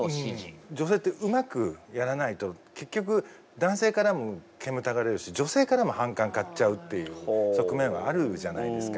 女性ってうまくやらないと結局男性からも煙たがられるし女性からも反感買っちゃうっていう側面はあるじゃないですか。